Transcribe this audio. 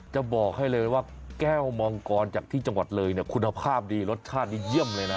จะบอกให้เลยว่าแก้วมังกรจากที่จังหวัดเลยเนี่ยคุณภาพดีรสชาตินี้เยี่ยมเลยนะ